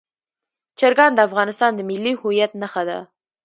چرګان د افغانستان د ملي هویت نښه ده.